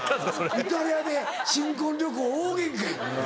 イタリアで新婚旅行大ゲンカ。